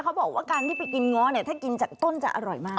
เขาบอกว่าการที่ไปกินง้อเนี่ยถ้ากินจากต้นจะอร่อยมาก